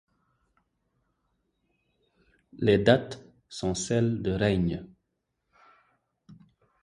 Les dates sont celles de règne.